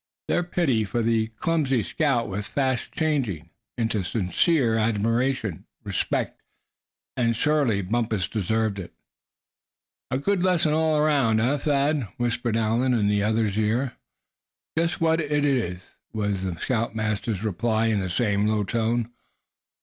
Their pity for the clumsy scout was fast changing into sincere admiration, respect. And surely Bumpus deserved it. "A good lesson all around, eh Thad?" whispered Allan in the other's ear. "Just what it is," was the scoutmaster's reply in the same low tone.